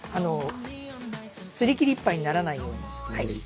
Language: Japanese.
すり切りいっぱいにならないように。